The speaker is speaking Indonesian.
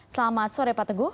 selamat sore pak teguh